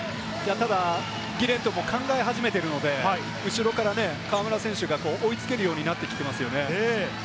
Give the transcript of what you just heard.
ギレントも考え始めているので、後ろから河村選手が追いつけるようになってきていますよね。